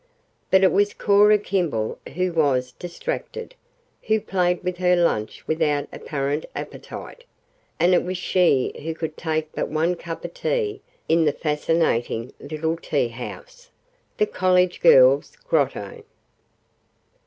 But it was Cora Kimball who was distracted, who played with her lunch without apparent appetite, and it was she who could take but one cup of tea in the fascinating little tea house, the college girls' Grotto.